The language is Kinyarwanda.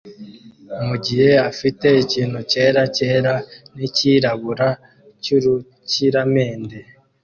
mugihe afite ikintu cyera cyera nicyirabura cyurukiramende